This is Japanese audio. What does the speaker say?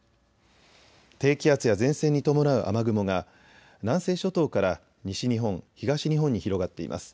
低気圧や前線に伴う雨雲が南西諸島から西日本、東日本に広がっています。